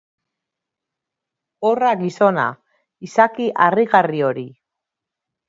Horra gizona, izaki harrigarri hori!